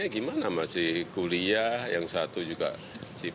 ini gak seterah seterah mas kajah sama pak kiai